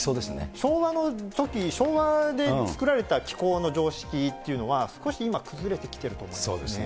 昭和のとき、昭和で作られた気候の常識っていうのは、少し今、崩れてきていると思いますね。